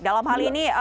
dalam hal ini